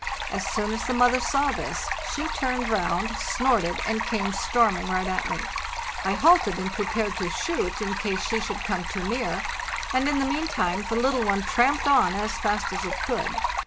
As soon as the mother saw this, she turned round, snorted, and came storming right at me. I halted, and prepared to shoot in case she should come too near, and in the meantime the little one tramped on as fast as it could.